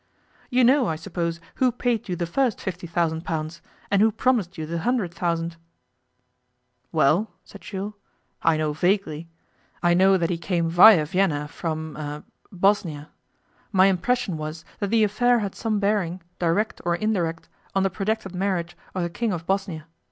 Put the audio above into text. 'You know, I suppose, who paid you the first fifty thousand pounds, and who promised you the hundred thousand.' 'Well,' said Jules, 'I know vaguely. I know that he came via Vienna from em Bosnia. My impression was that the affair had some bearing, direct or indirect, on the projected marriage of the King of Bosnia.